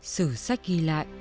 sử sách ghi lại